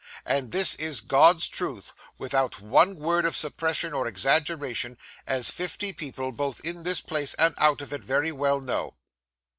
And this is God's truth, without one word of suppression or exaggeration, as fifty people, both in this place and out of it, very well know.